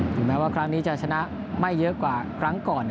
ถึงแม้ว่าครั้งนี้จะชนะไม่เยอะกว่าครั้งก่อน